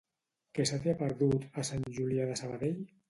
Què se t'hi ha perdut, a Sant Julià de Sabadell?